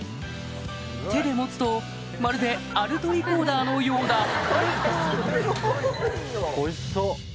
手で持つとまるでアルトリコーダーのようだおいしそう。